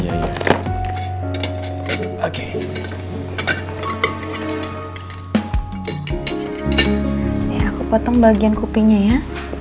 ya aku potong bagian kupingnya ya